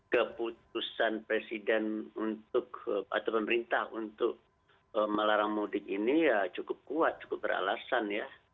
keputusan presiden atau pemerintah untuk melarang mudik ini cukup kuat cukup beralasan